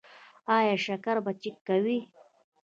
ایا شکر به چیک کوئ؟